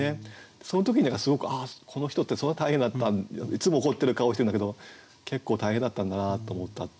その時にすごくああこの人ってそんな大変だったいつも怒ってる顔してんだけど結構大変だったんだなと思ったっていうね